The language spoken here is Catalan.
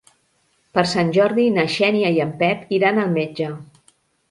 Per Sant Jordi na Xènia i en Pep iran al metge.